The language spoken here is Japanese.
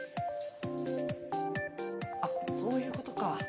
あっそういうことか。